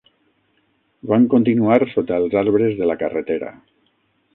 Van continuar sota els arbres de la carretera.